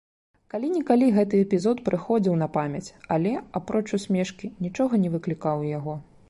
Калі-нікалі гэты эпізод прыходзіў на памяць, але, апроч усмешкі, нічога не выклікаў у яго.